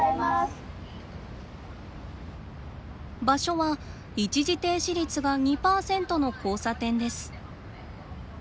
場所は一時停止率が２％の交差点です。